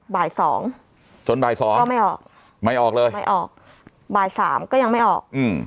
บ่ายสองจนบ่ายสองก็ไม่ออกไม่ออกเลยไม่ออกบ่ายสามก็ยังไม่ออกอืม